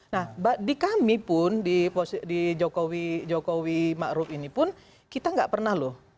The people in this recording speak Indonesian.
nah di kami pun di jokowi ma'ruf ini pun kita gak pernah loh